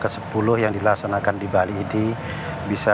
ke sepuluh yang dilaksanakan di bali ini bisa